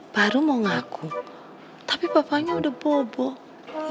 baru mau ngaku tapi papanya udah bobok